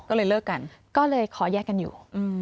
ก็เลยเลิกกันก็เลยขอแยกกันอยู่